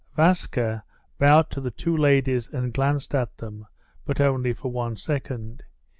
Vaska bowed to the two ladies, and glanced at them, but only for one second.